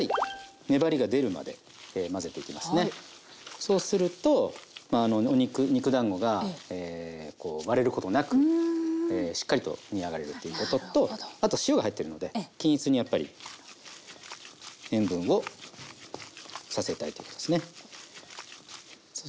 そうすると肉だんごが割れることなくしっかりと煮上がれるということとあと塩が入っているので均一にやっぱり塩分をさせたいと思いますね。